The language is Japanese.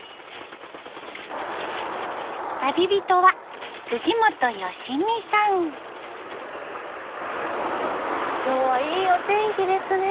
旅人は今日はいいお天気ですね。